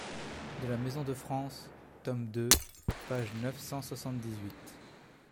de la maison de France, tome deux, page neuf cent soixante-dix-huit.